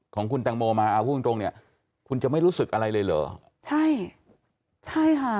ของคุณแตงโมมาเอาพูดตรงตรงเนี้ยคุณจะไม่รู้สึกอะไรเลยเหรอใช่ใช่ค่ะ